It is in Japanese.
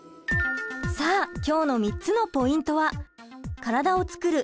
さあ今日の３つのポイントは。